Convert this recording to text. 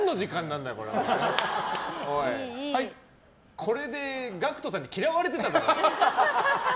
これでＧＡＣＫＴさんに嫌われてただろ。